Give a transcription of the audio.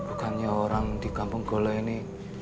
bukannya orang di kampung golo ini